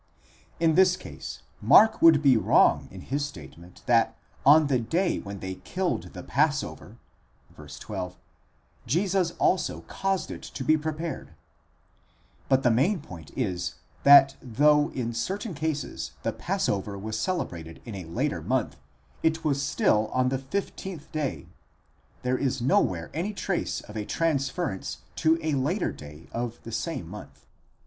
° In this case, Mark would be wrong in his statement, that on the day when they killed the passover, ὅτε τὸ πάσχα ἔθυον (v. 12), Jesus also caused it to be prepared; but the main point is, that though in certain cases the passover was celebrated in a later month, it was still on the 15th day; there is nowhere any trace of a transference to a later day of the same month.